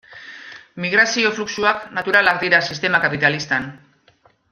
Migrazio fluxuak naturalak dira sistema kapitalistan.